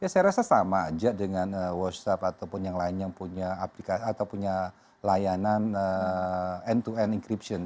ya saya rasa sama saja dengan whatsapp atau yang lain yang punya aplikasi atau layanan end to end encryption